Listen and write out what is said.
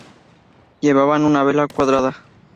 Llevaban una vela cuadrada.